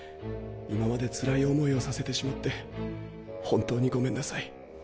今までつらい思いをさせてしまって本当にごめんなさい。